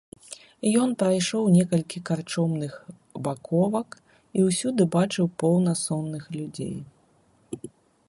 Ён прайшоў некалькі карчомных баковак і ўсюды бачыў поўна сонных людзей.